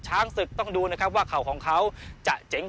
ช้างศึกต้องดูนะครับว่าเข่าของเขาก็จะเจ๋งกว่าหมัดนะครับ